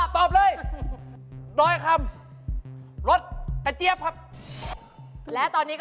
ตอบตอบเลย